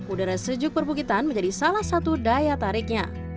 udara sejuk perbukitan menjadi salah satu daya tariknya